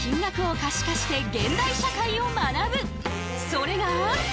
それが。